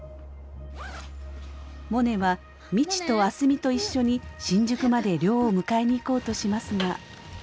モネは未知と明日美と一緒に新宿まで亮を迎えに行こうとしますが。